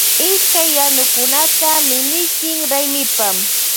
Ishkay yanukunata mishitin raymipa.